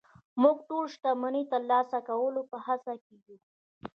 موږ ټول د شتمنۍ د ترلاسه کولو په هڅه کې يو